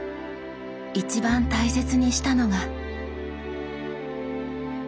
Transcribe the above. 一番大切にしたのが。